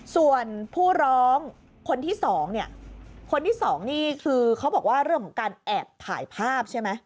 ส่วนผู้ร้องคนที่สองเนี่ยคนที่สองนี่คือเขาบอกว่าเรื่องของการแอบถ่ายภาพใช่ไหม